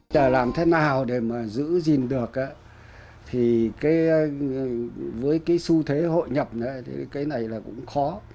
nhà làm thế nào để mà giữ gìn được thì với cái xu thế hội nhập thì cái này là cũng khó